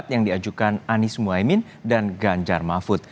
yang diajukan anies muhaymin dan ganjar mahfud